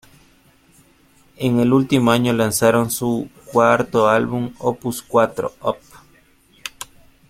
En este último año lanzaron su cuarto álbum, "Opus Cuatro, op.